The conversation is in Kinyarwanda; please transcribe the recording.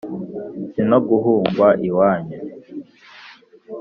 si no guhunga iwanyu